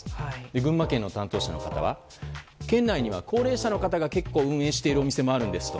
群馬県の担当者の方は県内には高齢者の方が結構、運営しているお店もあるんですと。